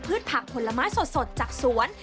ผักผลไม้สดจากสวน